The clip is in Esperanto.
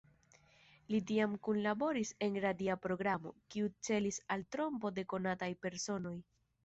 Li tiam kunlaboris en radia programo, kiu celis al trompo de konataj personoj.